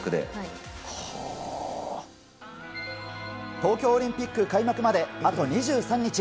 東京オリンピック開幕まであと２３日。